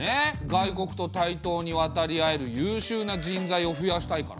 外国と対等にわたりあえるゆうしゅうな人材を増やしたいから。